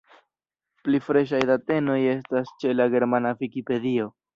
Pli freŝaj datenoj estas ĉe la Germana Vikipedio!